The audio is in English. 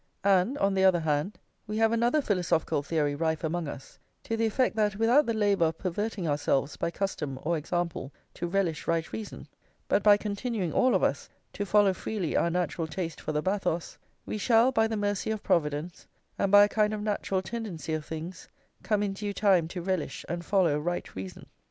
And, on the other hand, we have another philosophical theory rife among us, to the effect that without the labour of perverting ourselves by custom or example to relish right reason, but by continuing all of us to follow freely our natural taste for the bathos, we shall, by the mercy of Providence, and by a kind of natural tendency of things, come in due time to relish and follow right reason.